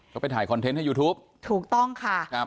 เขาไปถ่ายคอนเทนต์ให้ยูทูปถูกต้องค่ะครับ